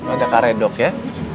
ada karedok ya